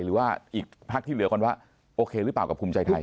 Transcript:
หรือว่าอีกพักที่เหลือก่อนว่าโอเคหรือเปล่ากับภูมิใจไทย